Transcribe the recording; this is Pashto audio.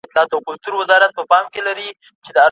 ټوله ژوند مي سترګي ډکي له خیالونو